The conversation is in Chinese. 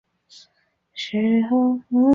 魏斯瓦塞尔是德国萨克森州的一个市镇。